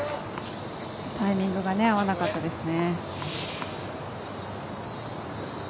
タイミングが合わなかったですね。